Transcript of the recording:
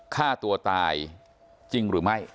ฆ่าตัวตายจริงหรือไม่